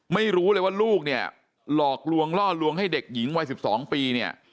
ไม่รู้เลยว่าลูกหลอกลวงล่อลวงให้เด็กหญิงวัย๑๒ปี